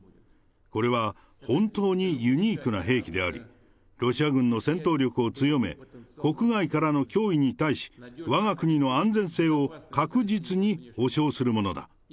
これは本当にユニークな兵器であり、ロシア軍の戦闘力を強め、国外からの脅威に対し、わが国の安全性を確実に保証するものだ。